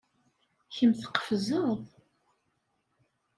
Kemm tqefzeḍ.